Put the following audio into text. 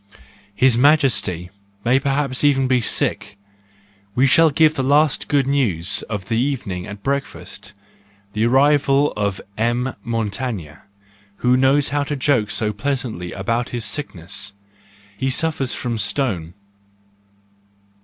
His Majesty may perhaps even be sick: we shall give the last good news of the evening at breakfast, the arrival of M. Montaigne, who knows how to joke so pleasantly about his sickness,—he suffers from stone.